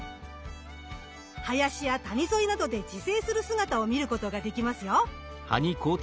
林や谷沿いなどで自生する姿を見ることができますよ。